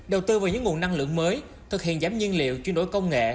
đầu tư vào những nguồn năng lượng mới thực hiện giảm nhiên liệu chuyển đổi công nghệ